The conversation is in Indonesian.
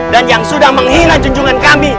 dan yang sudah menghilang junjungan kami